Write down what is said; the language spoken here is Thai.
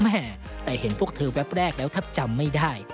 แม่แต่เห็นพวกเธอแวบแรกแล้วแทบจำไม่ได้